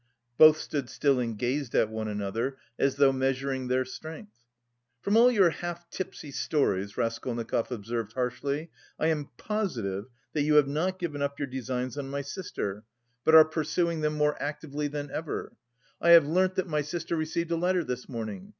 Both stood still and gazed at one another, as though measuring their strength. "From all your half tipsy stories," Raskolnikov observed harshly, "I am positive that you have not given up your designs on my sister, but are pursuing them more actively than ever. I have learnt that my sister received a letter this morning.